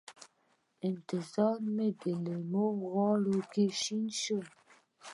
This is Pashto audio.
انتظار مې د لېمو غاړو کې شین شو